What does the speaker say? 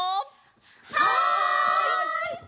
はい！